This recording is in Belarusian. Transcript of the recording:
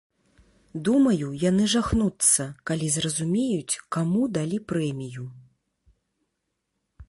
Думаю, яны жахнуцца, калі зразумеюць, каму далі прэмію.